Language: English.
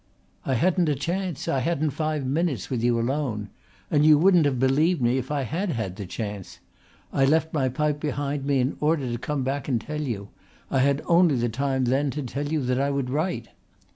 "I hadn't a chance. I hadn't five minutes with you alone. And you wouldn't have believed me if I had had the chance. I left my pipe behind me in order to come back and tell you. I had only the time then to tell you that I would write."